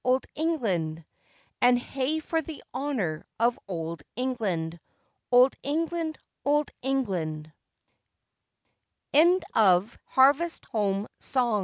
old England! And hey for the honour of old England! Old England! old England! HARVEST